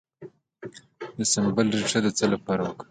د سنبل ریښه د څه لپاره وکاروم؟